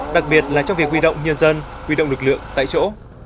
đặc biệt là trong việc huy động nhân dân huy động lực lượng tại chỗ